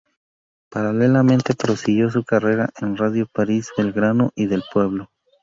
Paralelamente prosiguió su carrera en Radio París, Belgrano y del Pueblo.